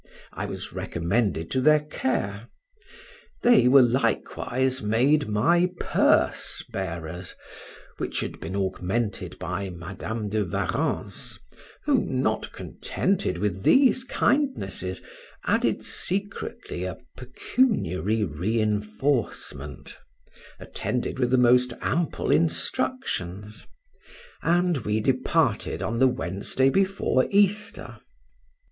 I was recommended to their care; they were likewise made my purse bearers, which had been augmented by Madam de Warrens, who, not contented with these kindnesses, added secretly a pecuniary reinforcement, attended with the most ample instructions, and we departed on the Wednesday before Easter.